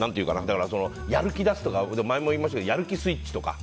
やる気出すとか前も言いましたけどやる気スイッチとか。